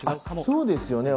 そうですよね。